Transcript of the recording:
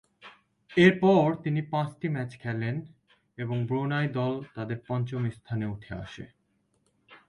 এরপর তিনি পাঁচটি ম্যাচে খেলেন এবং ব্রুনাই দল তাদের পঞ্চম স্থানে উঠে আসে।